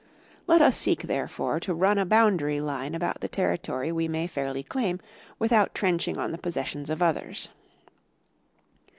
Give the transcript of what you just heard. Let us seek therefore to run a boundary line about the territory we may fairly claim without trenching on the possessions of others.